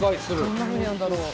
どんなふうにやんだろう？